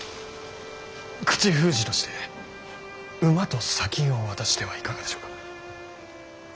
口封じとして馬と砂金を渡してはいかがでしょうか。